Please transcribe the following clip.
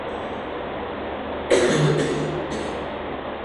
Nastupuje nejčastěji na pozici levé spojky.